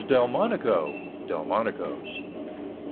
Delmonico, Delmonico's, Geo.